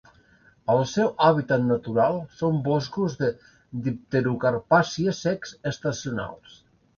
El seu hàbitat natural són boscos de dipterocarpàcies secs estacionals.